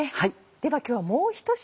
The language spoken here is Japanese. では今日はもうひと品